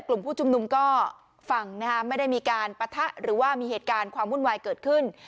กลุ่มผู้ชุมนุมก็ฟังนะคะไม่ได้มีการปะทะหรือว่ามีเหตุการณ์ความวุ่นวายเกิดขึ้น